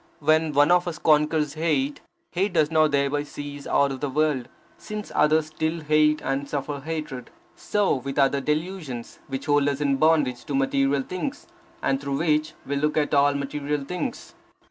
When one of us conquers hate, hate does not thereby cease out of the world, since others still hate and suffer hatred. So with other delusions, which hold us in bondage to material things, and through which we look at all material things.